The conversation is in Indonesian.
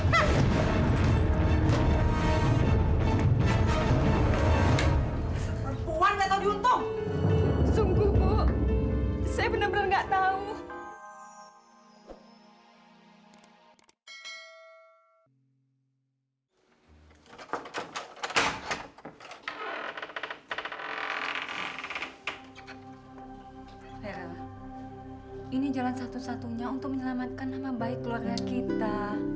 laila ini jalan satu satunya untuk menyelamatkan nama baik keluarga kita